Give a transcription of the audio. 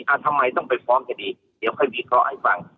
ทำไมต้องไปฟ้องคดีเดี๋ยวค่อยวิเคราะห์ให้ฟัง